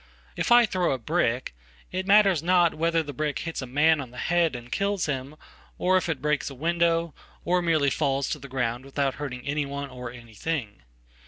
If I throw a brick, itmatters not whether the brick hits a man on the head and kills him, or if it breaks a window, or merely falls to the, ground withouthurting anyone or anything.